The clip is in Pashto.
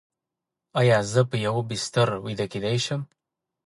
ایا زه په یوه بستر ویده کیدی شم؟